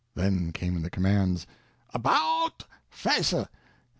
Then came commands: "About face!